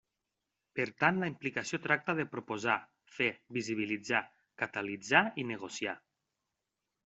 Per tant la implicació tracta de proposar, fer, visibilitzar, catalitzar i negociar.